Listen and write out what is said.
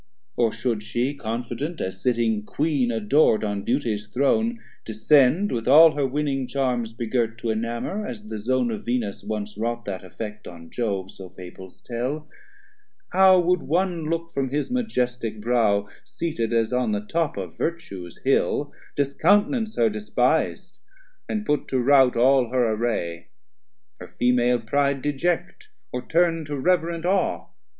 or should she confident, As sitting Queen ador'd on Beauties Throne, Descend with all her winning charms begirt To enamour, as the Zone of Venus once Wrought that effect on Jove, so Fables tell; How would one look from his Majestick brow Seated as on the top of Vertues hill, Discount'nance her despis'd, and put to rout All her array; her female pride deject, Or turn to reverent awe?